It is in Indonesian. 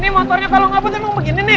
pe ini motornya kalau ngapain emang begini nih